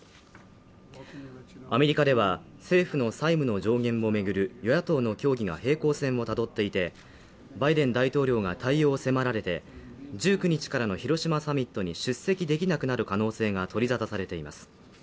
アメリカでは、政府の債務の上限を巡る与野党の協議が平行線をたどっていて、バイデン大統領が対応を迫られて１９日からの広島サミットに出席できなくなる可能性が取り沙汰されています。